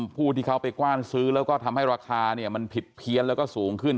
ผู้ที่เขาไปกว้านซื้อแล้วก็ทำให้ราคามันผิดเพี้ยนแล้วก็สูงขึ้น